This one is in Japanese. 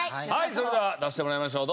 それでは出してもらいましょう。